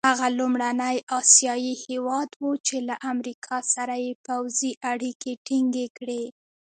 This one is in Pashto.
هغه لومړنی اسیایي هېواد وو چې له امریکا سره یې پوځي اړیکي ټینګې کړې.